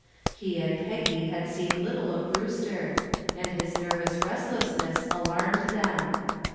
She and Peggy had seen little of Brewster, and his nervous restlessness alarmed them.